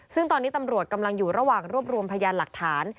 ซึ่งตอนนี้ตำรวจกำลังอยู่ระหว่างรวบรวมพยานหลักฐาน